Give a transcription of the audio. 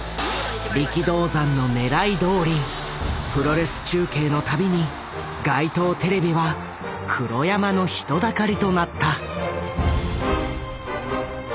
力道山のねらいどおりプロレス中継の度に街頭テレビは黒山の人だかりとなった。